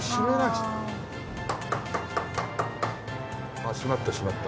あっ閉まった閉まった。